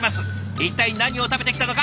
一体何を食べてきたのか